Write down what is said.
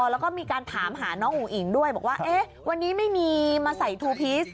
แล้วก็มีการถามหาน้องอุ๋งอิ๋งด้วยบอกว่าเอ๊ะวันนี้ไม่มีมาใส่ทูพีช